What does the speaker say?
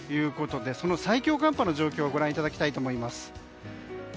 その最強寒波の状況をご覧いただきます。